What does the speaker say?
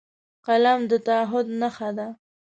قلم د تعهد نښه ده